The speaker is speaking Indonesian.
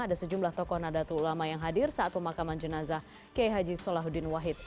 ada sejumlah tokoh nahdlatul ulama yang hadir saat pemakaman jenazah k h s w